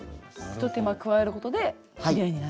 ひと手間加えることできれいになる。